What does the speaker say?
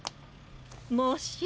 もし。